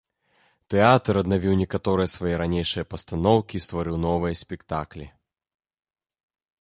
Тэатр аднавіў некаторыя свае ранейшыя пастаноўкі і стварыў новыя спектаклі.